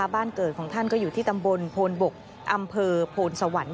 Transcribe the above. บ้านเกิดของท่านก็อยู่ที่ตำบลโพนบกอำเภอโพนสวรรค์